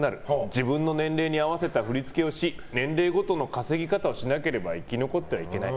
自分の年齢に合わせた振り付けをし年齢ごとの稼ぎ方をしなければ生き残ってはいけない。